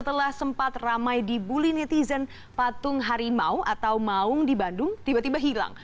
setelah sempat ramai dibully netizen patung harimau atau maung di bandung tiba tiba hilang